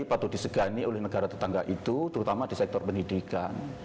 patut disegani oleh negara tetangga itu terutama di sektor pendidikan